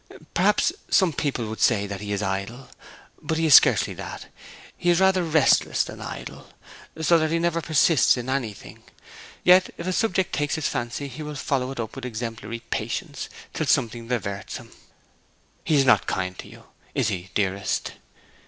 Perhaps some people would say that he is idle. But he is scarcely that; he is rather restless than idle, so that he never persists in anything. Yet if a subject takes his fancy he will follow it up with exemplary patience till something diverts him.' 'He is not kind to you, is he, dearest?'